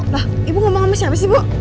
lah ibu ngomong sama siapa sih bu